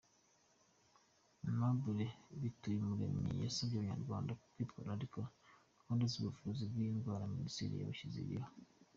Aimable Mbituyumuremyi, yasabye Abanyarwanda kwitwararika gahunda z’ubuvuzi bw’iyi ndwara Minisiteri yabashyiriyeho.